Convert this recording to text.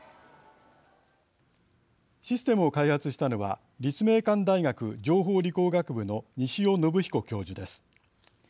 システムを開発したのは立命館大学情報理工学部の西尾信彦教授です。